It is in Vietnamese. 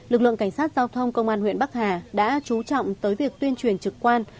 lực lượng cảnh sát giao thông công an huyện bắc hà đã chú trọng tới việc tuyên truyền trực quan